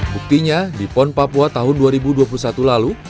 buktinya di pon papua tahun dua ribu dua puluh satu lalu